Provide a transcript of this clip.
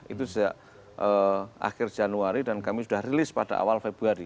itu sejak akhir januari dan kami sudah rilis pada awal februari